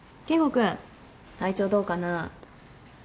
君体調どうかな？